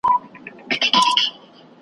په څپو کي ستا غوټې مي وې لیدلي .